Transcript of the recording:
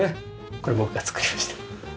これ僕が作りました。